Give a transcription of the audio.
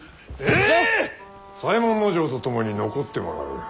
左衛門尉と共に残ってもらう。